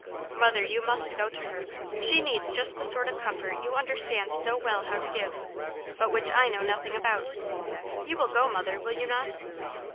Mother, you must go to her; she needs just the sort of comfort you understand so well how to give, but which I know nothing about. You will go, mother, will you not?"